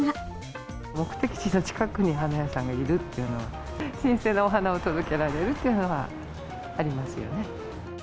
目的地の近くに花屋さんがいるっていうのは、新鮮なお花を届けられるっていうのはありますよね。